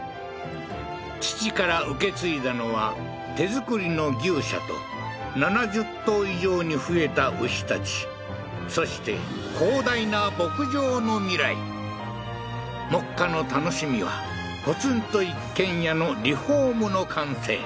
父から受け継いだのは手造りの牛舎と７０頭以上に増えた牛たちそして広大な牧場の未来目下の楽しみはポツンと一軒家のリフォームの完成